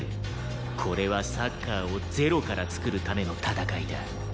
これはサッカーを０から創るための戦いだ。